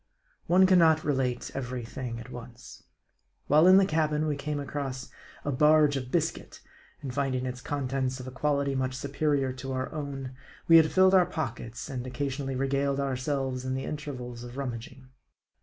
One can not relate every thing at once. While in the cabin, we came across a " barge" of biscuit, and finding its contents of a quality much superior to our own, we had filled our pockets and occasionally regaled ourselves in the intervals of rummaging.